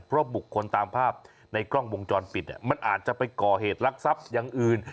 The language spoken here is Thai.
เพราะบุคคลตามภาพในกล้องวงจรปิดมันอาจจะไปก่อเหตุลักษัพอย่างอื่น